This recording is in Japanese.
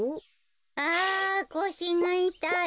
あこしがいたい。